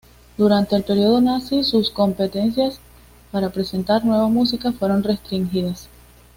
Durante el periodo Nazi, sus competencias para presentar nueva música fueron restringidas.